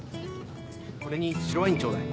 これに白ワインちょうだい。